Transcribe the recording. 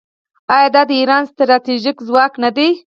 آیا دا د ایران ستراتیژیک ځواک نه دی؟